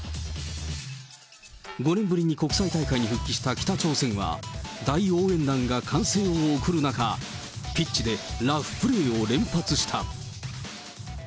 ５年ぶりに国際大会に復帰した北朝鮮は、大応援団が歓声を送る中、ピッチでラフプレーを連発した。